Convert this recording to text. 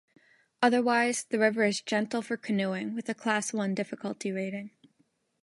Otherwise, the river is gentle for canoeing, with a Class One difficulty rating.